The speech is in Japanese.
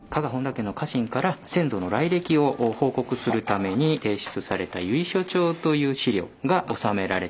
家の家臣から先祖の来歴を報告するために提出された「由緒帳」という史料が収められております。